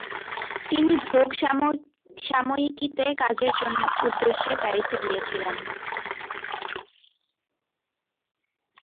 তিনি "ভোগ" সাময়িকীতে কাজের উদ্দেশ্যে প্যারিস গিয়েছিলেন।